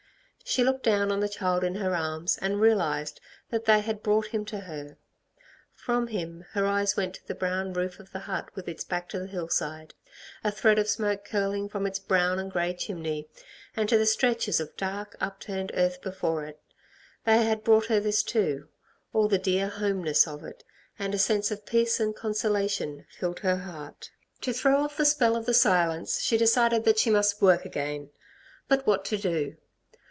She looked down on the child in her arms, and realised that they had brought him to her; from him, her eyes went to the brown roof of the hut with its back to the hillside, a thread of smoke curling from its brown and grey chimney, and to the stretches of dark, upturned earth before it. They had brought her this too, all the dear homeness of it, and a sense of peace and consolation filled her heart. To throw off the spell of the silence she decided that she must work again. But what to do?